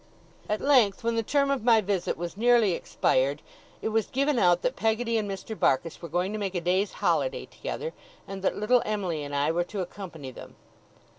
At length, when the term of my visit was nearly expired, it was given out that Peggotty and Mr. Barkis were going to make a day's holiday together, and that little Em'ly and I were to accompany them.